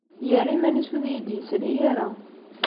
Yerra iman-is ur d iyi-d-yesli ara.